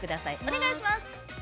お願いします！